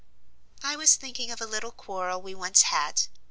"I was thinking of a little quarrel we once had.